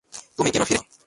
তুমি কেন ফিরে এসেছ?